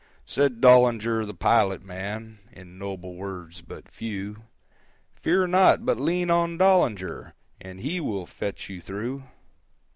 Said Dollinger the pilot man, In noble words, but few,—"Fear not, but lean on Dollinger, And he will fetch you through."